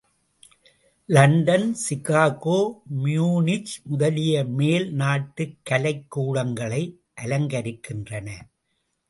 London, Chicago, Munich முதலிய மேல் நாட்டுக் கலைக் கூடங்களை அலங்கரிக்கின்றன.